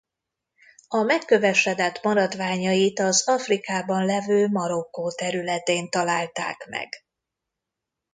A megkövesedett maradványait az Afrikában levő Marokkó területén találták meg.